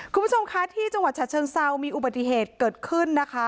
คุณผู้ชมคะที่จังหวัดฉะเชิงเซามีอุบัติเหตุเกิดขึ้นนะคะ